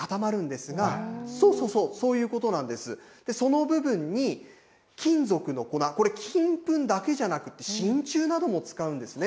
２、３日で固まるんですがその部分に金属の粉これ金粉だけじゃなくて真ちゅうなども使うんですね。